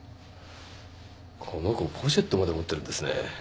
この子ポシェットまで持ってるんですね